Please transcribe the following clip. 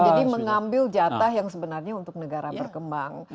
jadi mengambil jatah yang sebenarnya untuk negara berkembang